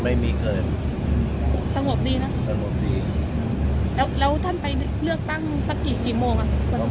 ไม่มีเกินสงบดีนะสงบดีแล้วแล้วท่านไปเลือกตั้งสักกี่กี่โมงอ่ะ